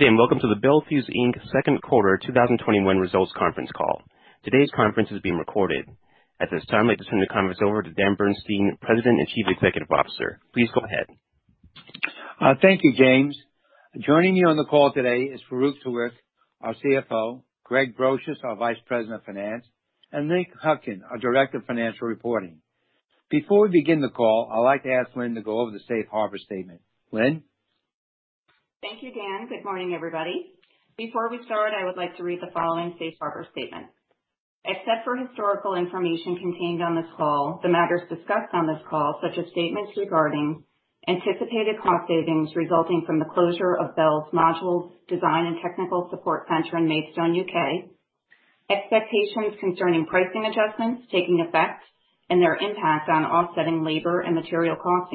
Welcome to the Bel Fuse Inc second quarter 2021 results conference call. Today's conference is being recorded. At this time, I'd like to turn the conference over to Dan Bernstein, President and Chief Executive Officer. Please go ahead. Thank you, James. Joining me on the call today is Farouq Tuweiq, our CFO, Craig Brosious, our Vice President of Finance, and Lynn Hutkin, our Director of Financial Reporting. Before we begin the call, I'd like to ask Lynn to go over the safe harbor statement. Lynn? Thank you, Dan. Good morning, everybody. Before we start, I would like to read the following safe harbor statement. Except for historical information contained on this call, the matters discussed on this call, such as statements regarding anticipated cost savings resulting from the closure of Bel's Modules Design and Technical Support Center in Maidstone, U.K., expectations concerning pricing adjustments taking effect and their impact on offsetting labor and material cost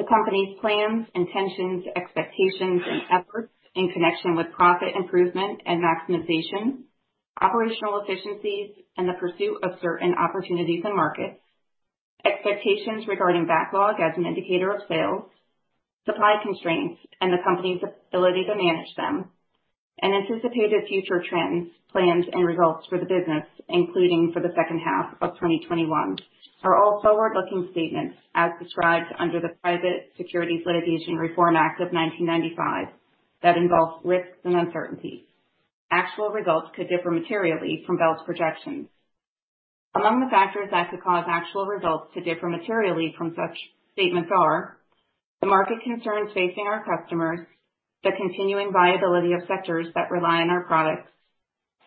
increases, the company's plans, intentions, expectations, and efforts in connection with profit improvement and maximization, operational efficiencies, and the pursuit of certain opportunities and markets, expectations regarding backlog as an indicator of sales, supply constraints and the company's ability to manage them, and anticipated future trends, plans, and results for the business, including for the second half of 2021, are all forward-looking statements as described under the Private Securities Litigation Reform Act of 1995 that involve risks and uncertainties. Actual results could differ materially from Bel's projections. Among the factors that could cause actual results to differ materially from such statements are the market concerns facing our customers, the continuing viability of sectors that rely on our products,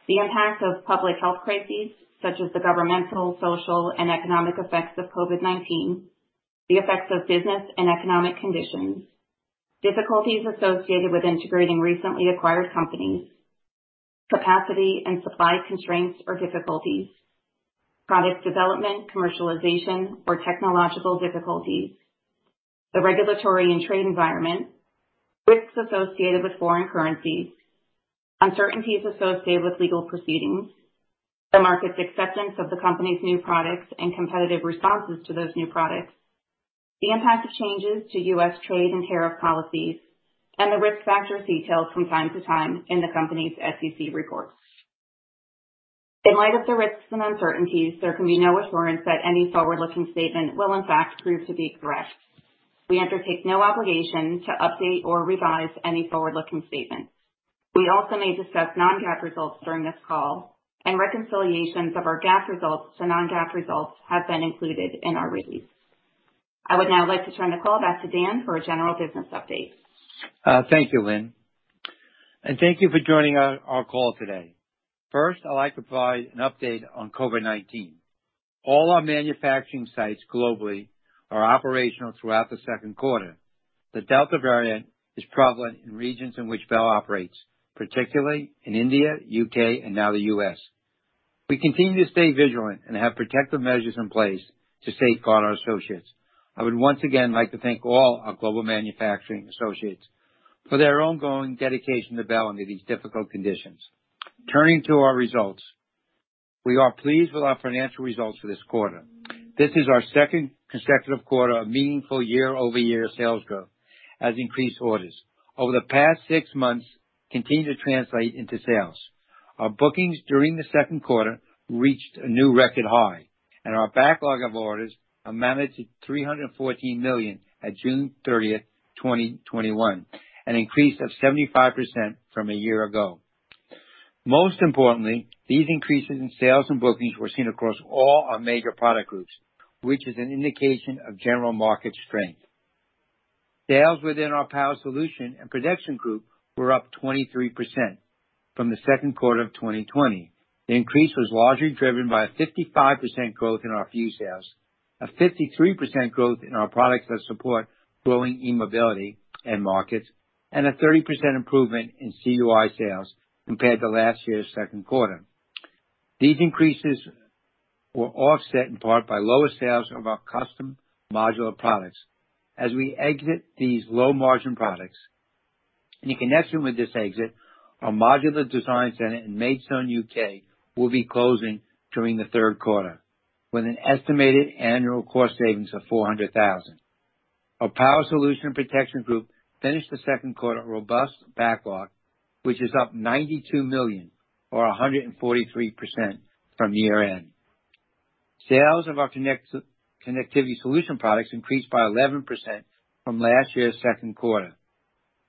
the impact of public health crises, such as the governmental, social, and economic effects of COVID-19, the effects of business and economic conditions, difficulties associated with integrating recently acquired companies, capacity and supply constraints or difficulties, product development, commercialization, or technological difficulties, the regulatory and trade environment, risks associated with foreign currencies, uncertainties associated with legal proceedings, the market's acceptance of the company's new products and competitive responses to those new products, the impact of changes to U.S. trade and tariff policies, and the risk factors detailed from time to time in the company's SEC reports. In light of the risks and uncertainties, there can be no assurance that any forward-looking statement will in fact prove to be correct. We undertake no obligation to update or revise any forward-looking statement. We also may discuss non-GAAP results during this call, and reconciliations of our GAAP results to non-GAAP results have been included in our release. I would now like to turn the call back to Dan for a general business update. Thank you, Lynn, and thank you for joining our call today. First, I'd like to provide an update on COVID-19. All our manufacturing sites globally are operational throughout the second quarter. The Delta variant is prevalent in regions in which Bel operates, particularly in India, U.K., and now the U.S. We continue to stay vigilant and have protective measures in place to safeguard our associates. I would once again like to thank all our global manufacturing associates for their ongoing dedication to Bel under these difficult conditions. Turning to our results. We are pleased with our financial results for this quarter. This is our second consecutive quarter of meaningful year-over-year sales growth as increased orders over the past six months continue to translate into sales. Our bookings during the second quarter reached a new record high, and our backlog of orders amounted to $314 million at June 30th, 2021, an increase of 75% from a year ago. Most importantly, these increases in sales and bookings were seen across all our major product groups, which is an indication of general market strength. Sales within our Power Solutions and Protection group were up 23% from the second quarter of 2020. The increase was largely driven by a 55% growth in our fuse sales, a 53% growth in our products that support growing e-mobility end markets, and a 30% improvement in CUI sales compared to last year's second quarter. These increases were offset in part by lower sales of our custom modular products as we exit these low-margin products. In connection with this exit, our modular design center in Maidstone, U.K., will be closing during the third quarter with an estimated annual cost savings of $400,000. Our Power Solutions and Protection group finished the second quarter at robust backlog, which is up $92 million or 143% from year-end. Sales of our Connectivity Solutions products increased by 11% from last year's second quarter,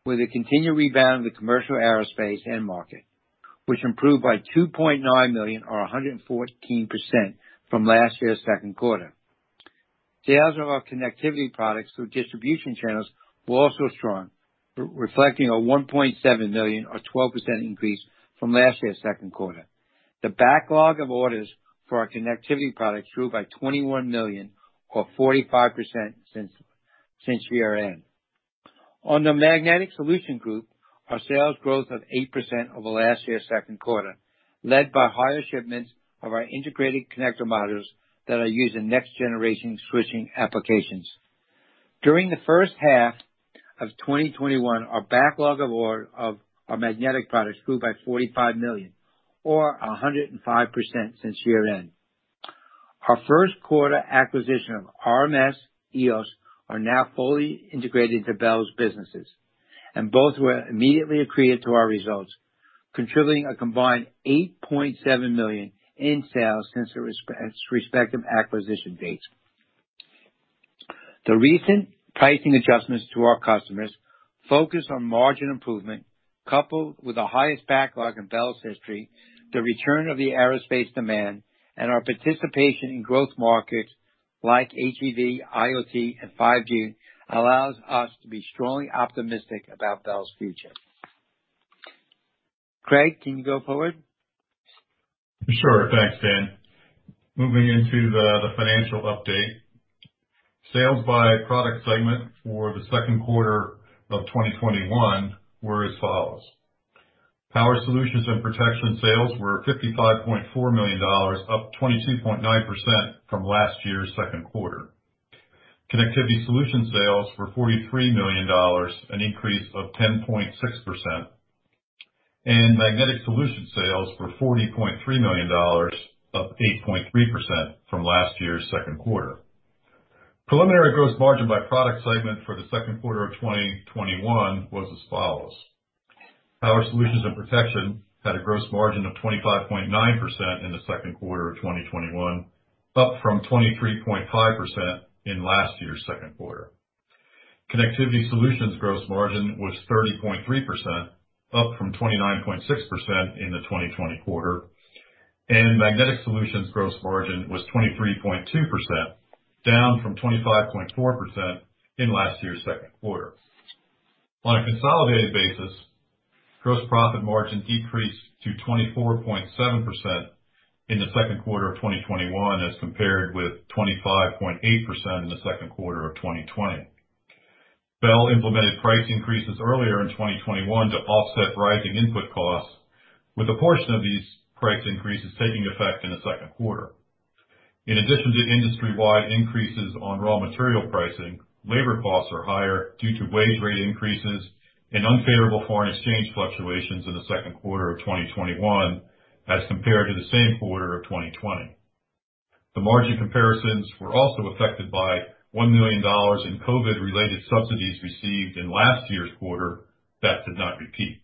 with a continued rebound of the commercial aerospace end market, which improved by $2.9 million or 114% from last year's second quarter. Sales of our connectivity products through distribution channels were also strong, reflecting a $1.7 million or 12% increase from last year's second quarter. The backlog of orders for our connectivity products grew by $21 million or 45% since year-end. On the Magnetic Solutions group, our sales growth of 8% over last year's second quarter, led by higher shipments of our integrated connector modules that are used in next-generation switching applications. During the first half of 2021, our backlog of our magnetic products grew by $45 million or 105% since year-end. Our first quarter acquisition of rms Connectors, EOS Power are now fully integrated into Bel's businesses, and both were immediately accretive to our results, contributing a combined $8.7 million in sales since their respective acquisition dates. The recent pricing adjustments to our customers focus on margin improvement, coupled with the highest backlog in Bel's history, the return of the aerospace demand, and our participation in growth markets like HEV, IoT, and 5G allows us to be strongly optimistic about Bel's future. Craig, can you go forward? Sure. Thanks, Dan. Moving into the financial update. Sales by product segment for the second quarter of 2021 were as follows. Power Solutions and Protection sales were $55.4 million, up 22.9% from last year's second quarter. Connectivity Solutions sales were $43 million, an increase of 10.6%. Magnetic Solutions sales were $40.3 million, up 8.3% from last year's second quarter. Preliminary gross margin by product segment for the second quarter of 2021 was as follows. Power Solutions and Protection had a gross margin of 25.9% in the second quarter of 2021, up from 23.5% in last year's second quarter. Connectivity Solutions gross margin was 30.3%, up from 29.6% in the 2020 quarter. Magnetic Solutions gross margin was 23.2%, down from 25.4% in last year's second quarter. On a consolidated basis, gross profit margin decreased to 24.7% in the second quarter of 2021 as compared with 25.8% in the second quarter of 2020. Bel implemented price increases earlier in 2021 to offset rising input costs, with a portion of these price increases taking effect in the second quarter. In addition to industry-wide increases on raw material pricing, labor costs are higher due to wage rate increases and unfavorable foreign exchange fluctuations in the second quarter of 2021 as compared to the same quarter of 2020. The margin comparisons were also affected by $1 million in COVID-related subsidies received in last year's quarter that did not repeat.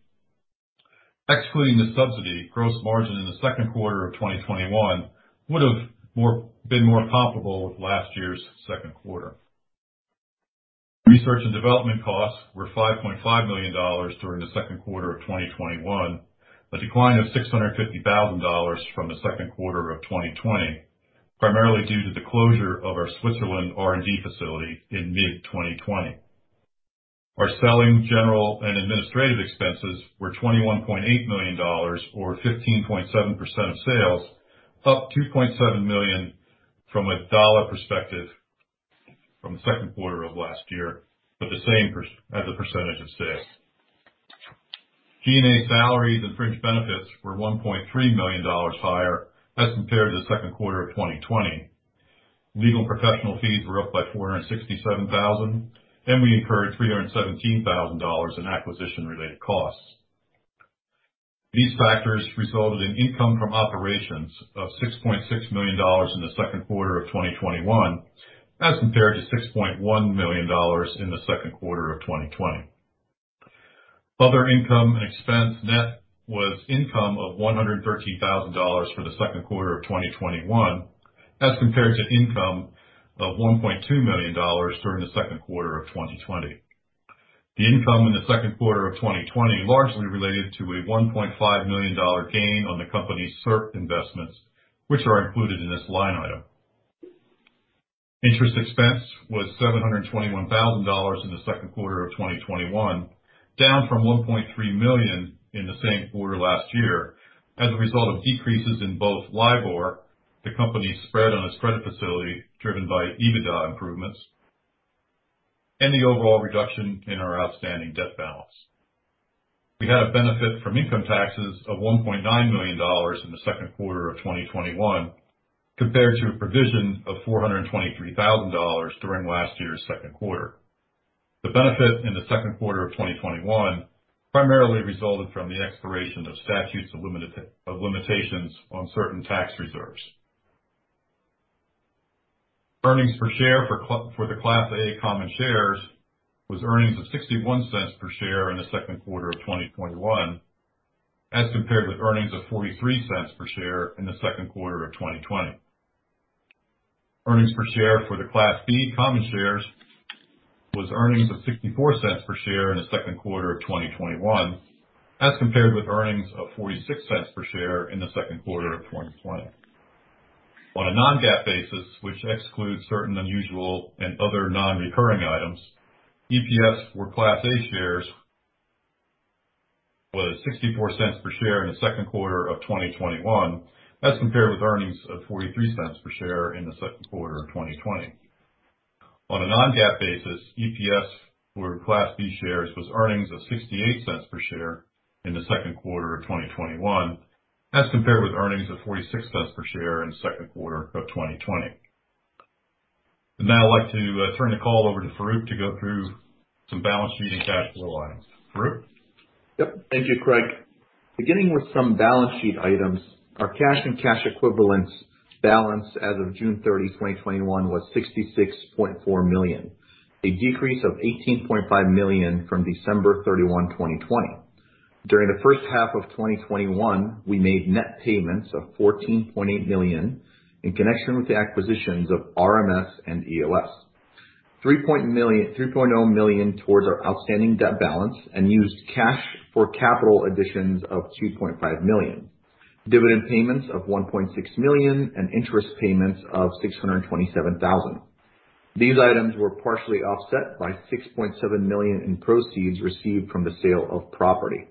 Excluding the subsidy, gross margin in the second quarter of 2021 would've been more comparable with last year's second quarter. Research and development costs were $5.5 million during the second quarter of 2021, a decline of $650,000 from the second quarter of 2020, primarily due to the closure of our Switzerland R&D facility in mid-2020. Our selling, general, and administrative expenses were $21.8 million, or 15.7% of sales, up $2.7 million from a dollar perspective from the second quarter of last year, but the same as a percentage of sales. G&A salaries and fringe benefits were $1.3 million higher as compared to the second quarter of 2020. Legal and professional fees were up by $467,000, and we incurred $317,000 in acquisition-related costs. These factors resulted in income from operations of $6.6 million in the second quarter of 2021 as compared to $6.1 million in the second quarter of 2020. Other income and expense net was income of $113,000 for the second quarter of 2021 as compared to income of $1.2 million during the second quarter of 2020. The income in the second quarter of 2020 largely related to a $1.5 million gain on the company's SERP investments, which are included in this line item. Interest expense was $721,000 in the second quarter of 2021, down from $1.3 million in the same quarter last year as a result of decreases in both LIBOR, the company's spread on its credit facility driven by EBITDA improvements, and the overall reduction in our outstanding debt balance. We had a benefit from income taxes of $1.9 million in the second quarter of 2021 compared to a provision of $423,000 during last year's second quarter. The benefit in the second quarter of 2021 primarily resulted from the expiration of statutes of limitations on certain tax reserves. Earnings per share for the Class A common shares was earnings of $0.61 per share in the second quarter of 2021 as compared with earnings of $0.43 per share in the second quarter of 2020. Earnings per share for the Class B common shares was earnings of $0.64 per share in the second quarter of 2021 as compared with earnings of $0.46 per share in the second quarter of 2020. On a non-GAAP basis, which excludes certain unusual and other non-recurring items, EPS for Class A shares was $0.64 per share in the second quarter of 2021 as compared with earnings of $0.43 per share in the second quarter of 2020. On a non-GAAP basis, EPS for Class B shares was earnings of $0.68 per share in the second quarter of 2021 as compared with earnings of $0.46 per share in the second quarter of 2020. Now I'd like to turn the call over to Farouq to go through some balance sheet and cash flow items. Farouq? Yep. Thank you, Craig. Beginning with some balance sheet items, our cash and cash equivalents balance as of June 30, 2021, was $66.4 million, a decrease of $18.5 million from December 31, 2020. During the first half of 2021, we made net payments of $14.8 million in connection with the acquisitions of rms and EOS. $3.0 million towards our outstanding debt balance and used cash for capital additions of $2.5 million, dividend payments of $1.6 million, and interest payments of $627,000. These items were partially offset by $6.7 million in proceeds received from the sale of property.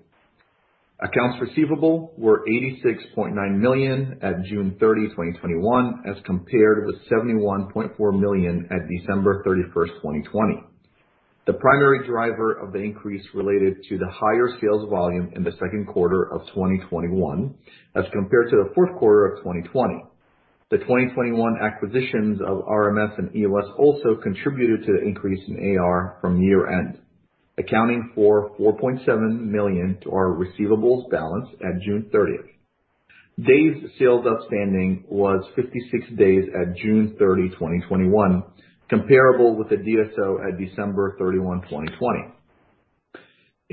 Accounts receivable were $86.9 million at June 30, 2021, as compared with $71.4 million at December 31, 2020. The primary driver of the increase related to the higher sales volume in the second quarter of 2021, as compared to the fourth quarter of 2020. The 2021 acquisitions of rms and EOS also contributed to the increase in AR from year end, accounting for $4.7 million to our receivables balance at June 30th. Days sales outstanding was 56 days at June 30, 2021, comparable with the DSO at December 31, 2020.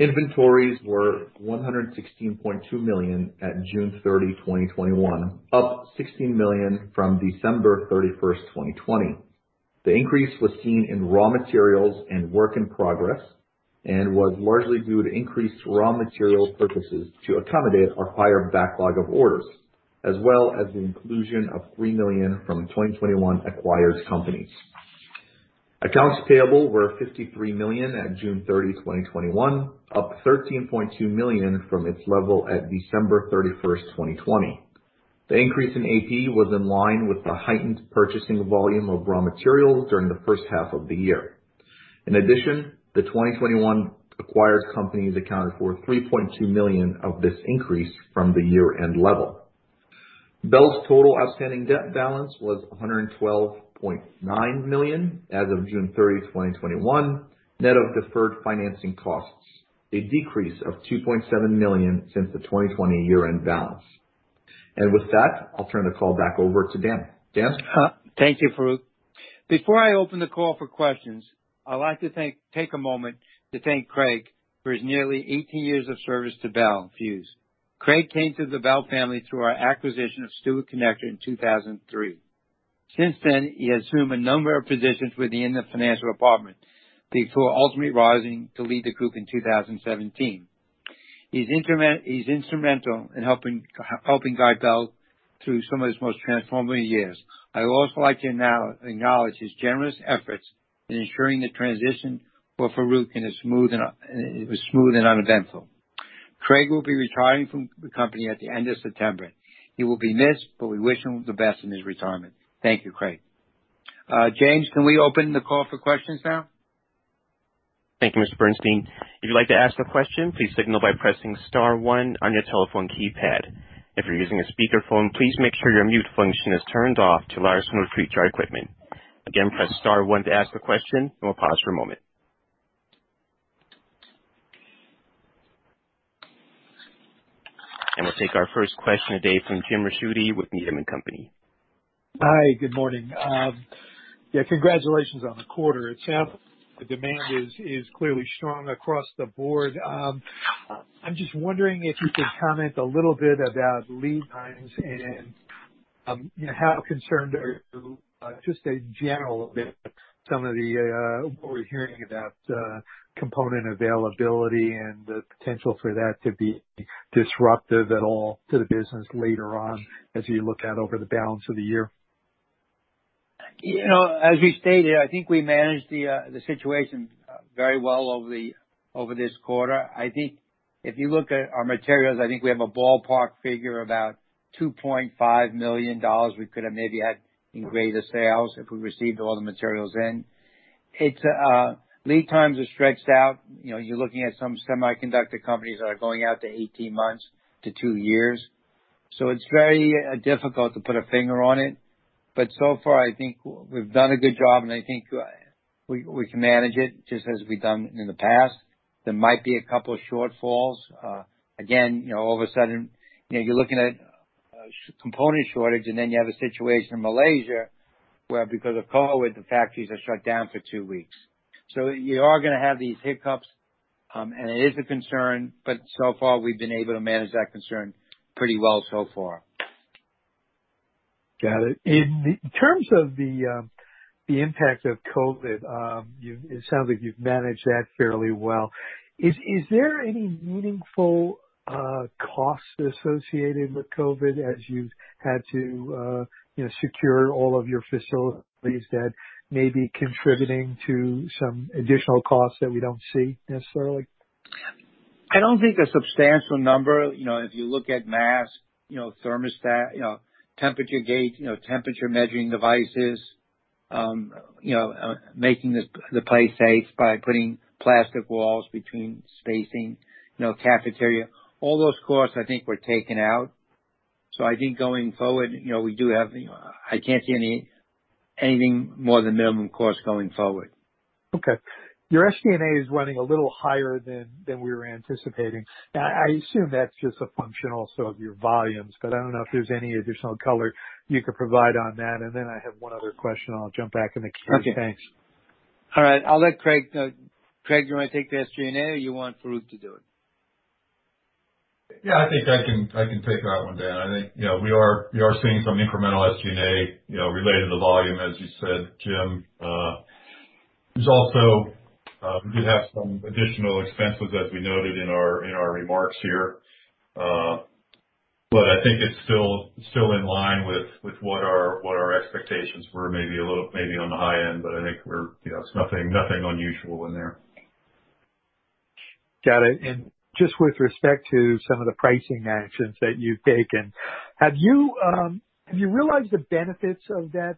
Inventories were $116.2 million at June 30, 2021, up $16 million from December 31st, 2020. Was largely due to increased raw material purchases to accommodate our higher backlog of orders, as well as the inclusion of $3 million from 2021 acquired companies. Accounts payable were $53 million at June 30, 2021, up $13.2 million from its level at December 31st, 2020. The increase in AP was in line with the heightened purchasing volume of raw materials during the first half of the year. In addition, the 2021 acquired companies accounted for $3.2 million of this increase from the year-end level. Bel's total outstanding debt balance was $112.9 million as of June 30, 2021, net of deferred financing costs, a decrease of $2.7 million since the 2020 year-end balance. With that, I'll turn the call back over to Dan. Dan? Thank you, Farouq. Before I open the call for questions, I'd like to take a moment to thank Craig for his nearly 18 years of service to Bel Fuse. Craig came to the Bel family through our acquisition of Stewart Connector in 2003. Since then, he assumed a number of positions within the financial department, before ultimately rising to lead the group in 2017. He's instrumental in helping guide Bel through some of its most transformative years. I'd also like to now acknowledge his generous efforts in ensuring the transition for Farouq was smooth and uneventful. Craig will be retiring from the company at the end of September. He will be missed, but we wish him the best in his retirement. Thank you, Craig. James, can we open the call for questions now? Thank you, Mr. Bernstein. If you'd like to ask a question, please signal by pressing star one on your telephone keypad. If you're using a speakerphone, please make sure your mute function is turned off to allow your sound to reach our equipment. Again, press star one to ask a question. We'll pause for a moment. We'll take our first question today from Jim Ricchiuti with Needham & Company. Hi, good morning. Yeah, congratulations on the quarter. It sounds like the demand is clearly strong across the board. I'm just wondering if you could comment a little bit about lead times and, how concerned are you, just a general bit, some of what we're hearing about component availability and the potential for that to be disruptive at all to the business later on as you look out over the balance of the year? As we stated, I think we managed the situation very well over this quarter. I think if you look at our materials, I think we have a ballpark figure about $2.5 million we could have maybe had in greater sales if we received all the materials in. Lead times are stretched out. You're looking at some semiconductor companies that are going out to 18 months to two years. It's very difficult to put a finger on it, but so far, I think we've done a good job, and I think we can manage it, just as we've done in the past. There might be a couple of shortfalls. Again, all of a sudden, you're looking at a component shortage, and then you have a situation in Malaysia where, because of COVID, the factories are shut down for two weeks. You are going to have these hiccups, and it is a concern, but so far, we've been able to manage that concern pretty well so far. Got it. In terms of the impact of COVID, it sounds like you've managed that fairly well. Is there any meaningful cost associated with COVID as you've had to secure all of your facilities that may be contributing to some additional costs that we don't see necessarily? I don't think a substantial number. If you look at mask, thermostat, temperature gauge, temperature measuring devices, making the place safe by putting plastic walls between spacing, cafeteria, all those costs, I think, were taken out. I think going forward, I can't see anything more than minimum cost going forward. Your SG&A is running a little higher than we were anticipating. I assume that's just a function also of your volumes, but I don't know if there's any additional color you could provide on that. I have one other question, I'll jump back in the queue. Okay. Thanks. All right. I'll let Craig know. Craig, do you want to take the SG&A, or you want Farouq to do it? I think I can take that one, Dan. I think we are seeing some incremental SG&A related to volume, as you said, Jim. We did have some additional expenses, as we noted in our remarks here. I think it's still in line with what our expectations were, maybe on the high end, but I think it's nothing unusual in there. Got it. Just with respect to some of the pricing actions that you've taken, have you realized the benefits of that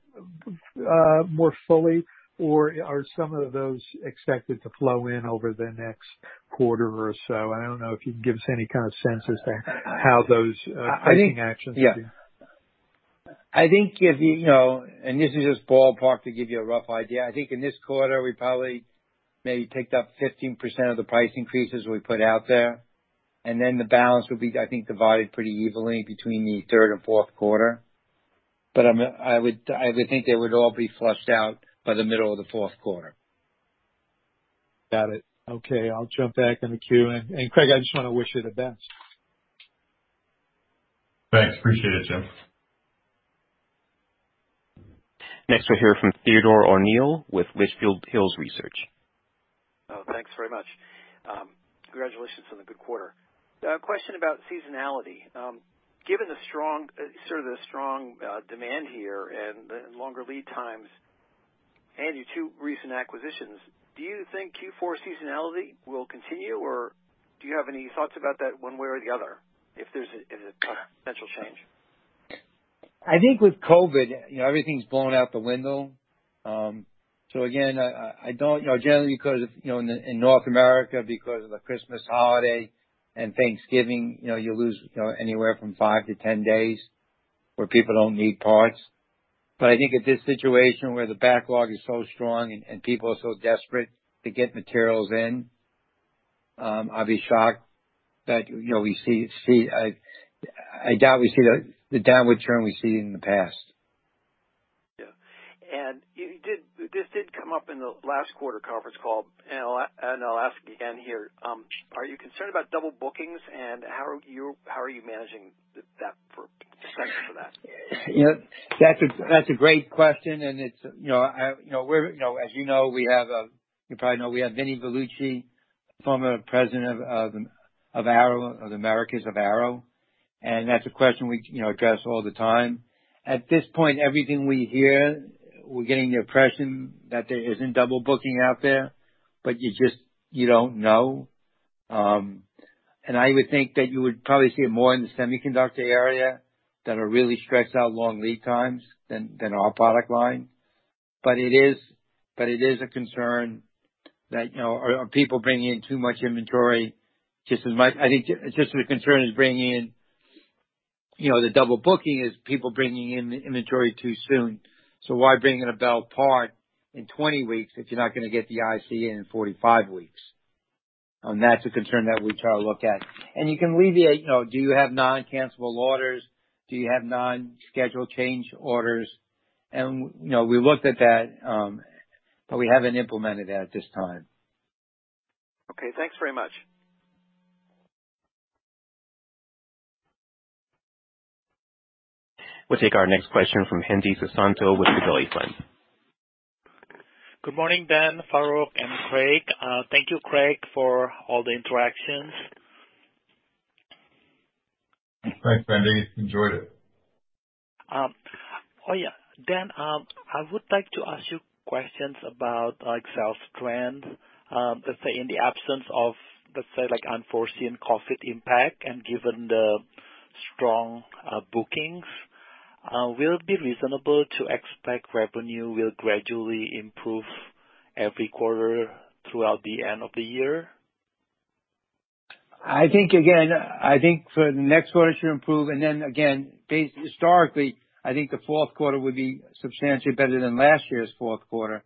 more fully, or are some of those expected to flow in over the next quarter or so? I don't know if you can give us any kind of sense as to how those pricing actions have been. Yeah. This is just ballpark to give you a rough idea. I think in this quarter, we probably maybe picked up 15% of the price increases we put out there, and then the balance will be, I think, divided pretty evenly between the third and fourth quarter. I would think they would all be flushed out by the middle of the fourth quarter. Got it. Okay, I'll jump back in the queue. Craig, I just want to wish you the best. Thanks. Appreciate it, Jim. Next, we'll hear from Theodore O'Neill with Litchfield Hills Research. Oh, thanks very much. Congratulations on the good quarter. A question about seasonality. Given the strong demand here and the longer lead times, and your two recent acquisitions, do you think Q4 seasonality will continue, or do you have any thoughts about that one way or the other if there's a potential change? I think with COVID, everything's blown out the window. Again, generally, because in North America, because of the Christmas holiday and Thanksgiving, you lose anywhere from 5 to 10 days where people don't need parts. I think at this situation where the backlog is so strong and people are so desperate to get materials in, I'd be shocked. I doubt we see the downward trend we've seen in the past. Yeah. This did come up in the last quarter conference call, and I'll ask again here. Are you concerned about double bookings, and how are you managing that risk for that? That's a great question. As you know, we have Vincent Vellucci, former president of Americas of Arrow. That's a question we address all the time. At this point, everything we hear, we're getting the impression that there isn't double booking out there, but you don't know. I would think that you would probably see it more in the semiconductor area that are really stretched out long lead times than our product line. It is a concern that, are people bringing in too much inventory? I think just the concern is bringing in the double booking is people bringing in the inventory too soon. Why bring in a Bel part in 20 weeks if you're not going to get the IC in 45 weeks? That's a concern that we try to look at. You can alleviate, do you have non-cancelable orders? Do you have non-schedule change orders? We looked at that, but we haven't implemented that at this time. Okay, thanks very much. We'll take our next question from Hendi Susanto with Gabelli Funds. Good morning, Dan, Farouq, and Craig. Thank you, Craig, for all the interactions. Thanks, Hendi. Enjoyed it. Oh, yeah. Dan, I would like to ask you questions about sales trends. Let's say in the absence of unforeseen COVID impact and given the strong bookings, will it be reasonable to expect revenue will gradually improve every quarter throughout the end of the year? I think for the next quarter should improve. Again, historically, I think the fourth quarter would be substantially better than last year's fourth quarter.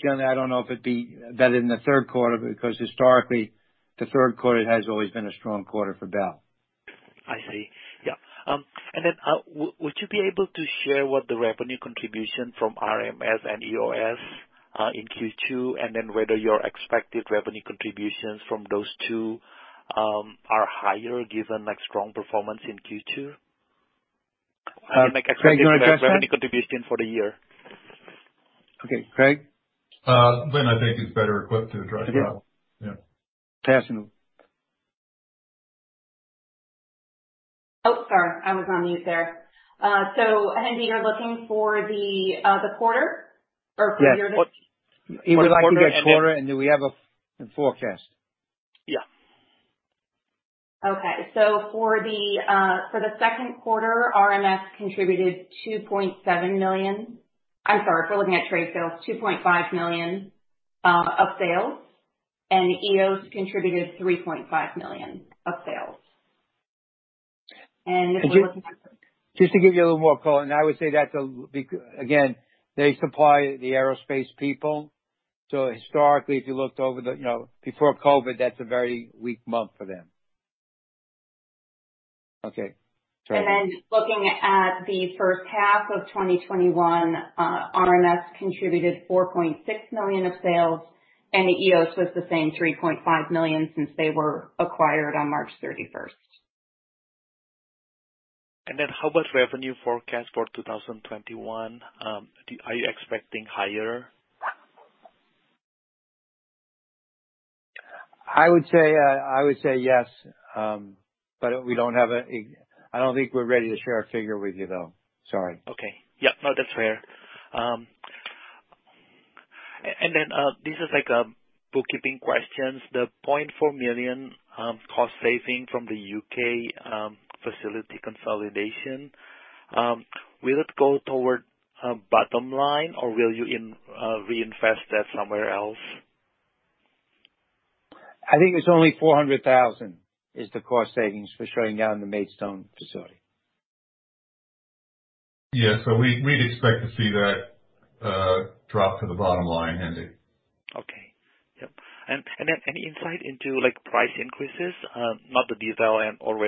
Generally, I don't know if it'd be better than the third quarter because historically, the third quarter has always been a strong quarter for Bel. I see. Yeah. Would you be able to share what the revenue contribution from RMS and EOS in Q2, and then whether your expected revenue contributions from those two are higher given strong performance in Q2? Craig, do you want to address that? Like expected revenue contribution for the year. Okay, Craig? Dan, I think, is better Farouq to address that. Yeah. Pass to him. Sorry, I was on mute there. Hendi, you're looking for the quarter? Yes. He would like to get quarter. Do we have a forecast? Yeah. Okay. For the second quarter, rms contributed $2.7 million. I'm sorry, if we're looking at trade sales, $2.5 million of sales and EOS contributed $3.5 million of sales. Just to give you a little more color, I would say that again, they supply the aerospace people. Historically, if you looked before COVID, that's a very weak month for them. Okay. Sorry. Looking at the first half of 2021, RMS contributed $4.6 million of sales, and the EOS was the same $3.5 million since they were acquired on March 31st. How about revenue forecast for 2021? Are you expecting higher? I would say yes. I don't think we're ready to share our figure with you, though. Sorry. Okay. Yep. No, that's fair. This is a bookkeeping question. The $0.4 million cost saving from the U.K. facility consolidation, will it go toward bottom line, or will you reinvest that somewhere else? I think it's only $400,000 is the cost savings for shutting down the Maidstone facility. Yeah. We'd expect to see that drop to the bottom line, Hendi. Okay. Yep. Then any insight into price increases? Not the detail and or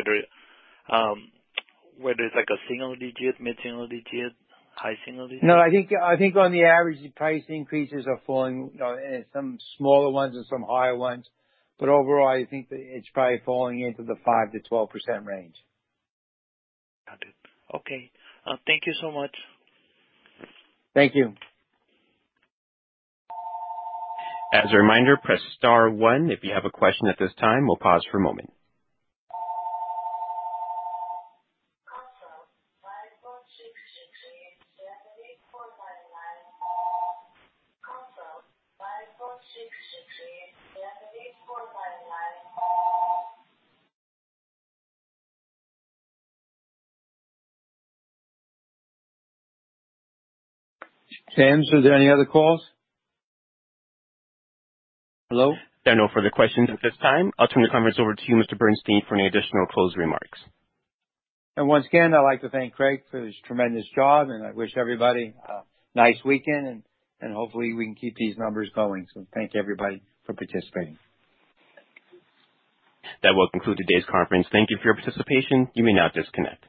whether it's like a single digit, mid-single digit, high single digit. No, I think on the average, the price increases are falling, some smaller ones and some higher ones. Overall, I think that it's probably falling into the 5%-12% range. Got it. Okay. Thank you so much. Thank you. As a reminder, press star one if you have a question at this time. We will pause for a moment. James, are there any other calls? Hello? There are no further questions at this time. I will turn the conference over to you, Mr. Bernstein, for any additional closing remarks. Once again, I'd like to thank Craig for his tremendous job, and I wish everybody a nice weekend, and hopefully we can keep these numbers going. Thank you, everybody, for participating. That will conclude today's conference. Thank you for your participation. You may now disconnect.